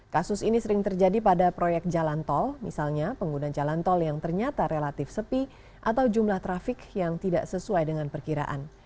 kasus ini sering terjadi pada proyek jalan tol misalnya pengguna jalan tol yang ternyata relatif sepi atau jumlah trafik yang tidak sesuai dengan perkiraan